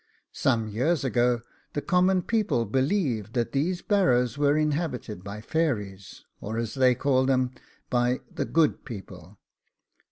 SOME YEARS AGO, the common people believed that these barrows were inhabited by fairies, or, as they called them, by the GOOD PEOPLE.